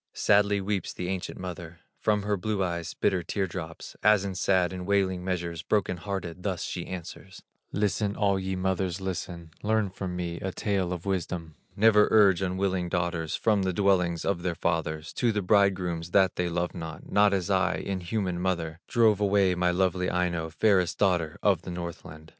Sadly weeps the ancient mother From her blue eyes bitter tear drops, As in sad and wailing measures, Broken hearted thus she answers: "Listen, all ye mothers, listen, Learn from me a tale of wisdom: Never urge unwilling daughters From the dwellings of their fathers, To the bridegrooms that they love not, Not as I, inhuman mother, Drove away my lovely Aino, Fairest daughter of the Northland."